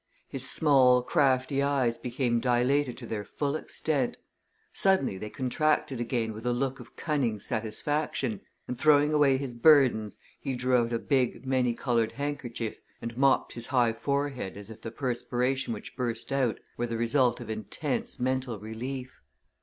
His small, crafty eyes became dilated to their full extent suddenly they contracted again with a look of cunning satisfaction, and throwing away his burdens he drew out a big many coloured handkerchief and mopped his high forehead as if the perspiration which burst out were the result of intense mental relief.